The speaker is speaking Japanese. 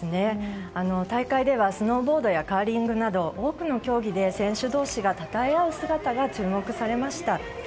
大会ではスノーボードやカーリングなど多くの競技で選手同士がたたえ合う姿が注目されました。